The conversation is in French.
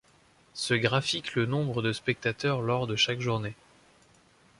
Ce graphique le nombre de spectateurs lors de chaque journée.